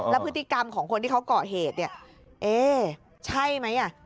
แล้วพฤติกรรมของคนที่เขาก่อเหตุเนี่ยเอ๊ใช่ไหมอ่ะ